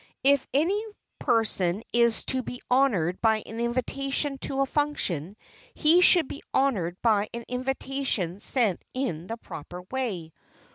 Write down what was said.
If any person is to be honored by an invitation to a function, he should be honored by an invitation sent in the proper way.